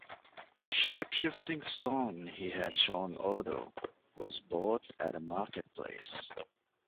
The shapeshifting stone he had shown Odo was bought at a marketplace.